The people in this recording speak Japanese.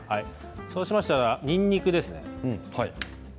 そうしましたらにんにくですね。